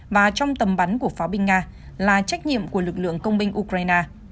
và trong tầm bắn của pháo binh nga là trách nhiệm của lực lượng công binh ukraine